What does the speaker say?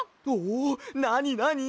なになに？